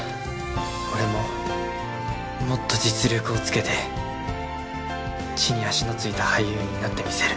俺ももっと実力をつけて地に足のついた俳優になってみせる。